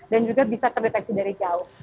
dan juga bisa terdeteksi dari jauh